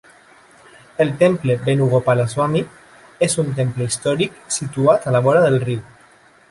El Temple Venugopalaswami és un temple històric situat a la vora del riu.